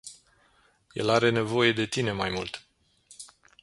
El are nevoie de tine mai mult.